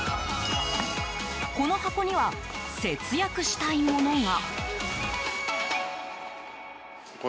この箱には節約したいものが。